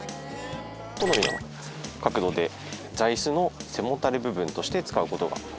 好みの角度で座椅子の背もたれ部分として使う事ができます。